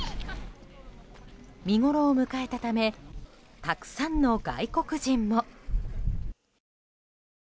見ごろを迎えたためたくさんの外国人も。